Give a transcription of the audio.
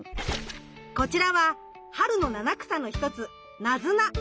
こちらは春の七草の一つナズナ。